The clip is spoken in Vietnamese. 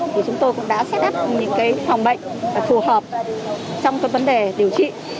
thì chúng tôi cũng đã xét áp những phòng bệnh phù hợp trong vấn đề điều trị